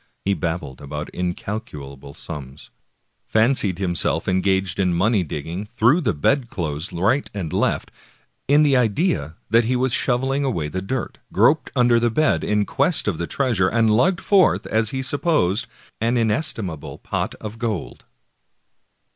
He babbled about incalculable sums, fancied himself engaged in money digging, threw the bedclothes right and left, in the idea that he was shoveling away the dirt, groped under the bed in quest of the treasure, and lugged forth, as he supposed, an inestimable pot of gold.